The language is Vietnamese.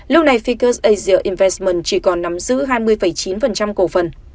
lúc này ficus asia investment chỉ còn nắm giữ hai mươi chín cổ phần